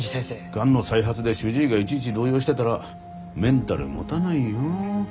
がんの再発で主治医がいちいち動揺してたらメンタル持たないよ。